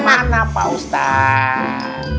mau ke mana pak ustadz